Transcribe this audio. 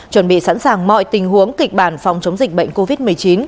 chuẩn bị sẵn sàng mọi tình huống kịch bản phòng chống dịch bệnh covid một mươi chín